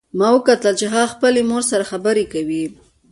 ما وکتل چې هغه خپلې مور سره خبرې کوي